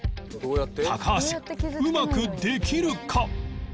高橋うまくできるか？